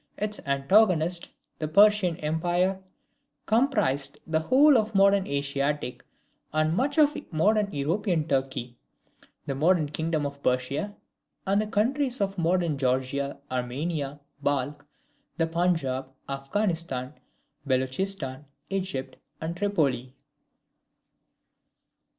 Its antagonist, the Persian empire, comprised the whole of modern Asiatic and much of modern European Turkey, the modern kingdom of Persia, and the countries of modern Georgia, Armenia, Balkh, the Punjaub, Affghanistan, Beloochistan, Egypt, and Tripoli.